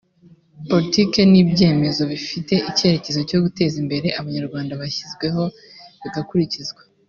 politiki n’ibyemezo bifite ikerekezo cyo guteza imbere abanyarwanda byashyizweho bigakurikizwa